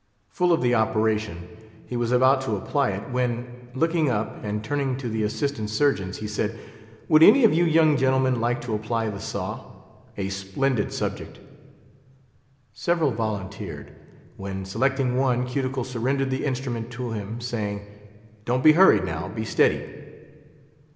Full of the operation, he was about to apply it, when, looking up, and turning to the assistant surgeons, he said, "Would any of you young gentlemen like to apply the saw? A splendid subject!" Several volunteered; when, selecting one, Cuticle surrendered the instrument to him, saying, "Don't be hurried, now; be steady."